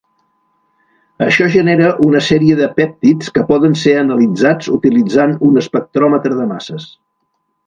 Això genera una sèrie de pèptids que poden ser analitzats utilitzant un espectròmetre de masses.